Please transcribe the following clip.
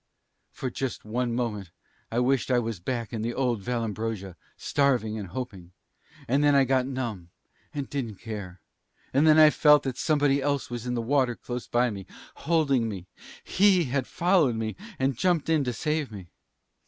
"For just one moment I wished I was back in the old Vallambrosa, starving and hoping. And then I got numb, and didn't care. And then I felt that somebody else was in the water close by me, holding me up. He had followed me, and jumped in to save me.